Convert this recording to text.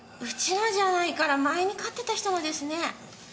うちのじゃないから前に飼ってた人のですね。